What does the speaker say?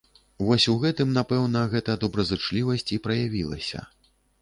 Вось у гэтым, напэўна, гэта добразычлівасць і праявілася.